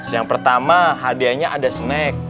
yang pertama hadiahnya ada snack